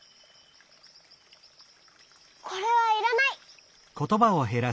これはいらない。